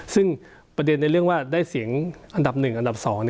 ซึ่งประเด็นในเรื่องว่าได้เสียงอันดับ๑อันดับ๒